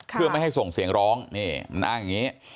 เพื่อไม่ให้ส่งเสียงร้องนี่มันอ้างอย่างนี้